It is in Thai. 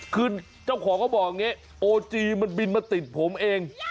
คือเจ้าของเขาบอกอย่างนี้โอจีมันบินมาติดผมเอง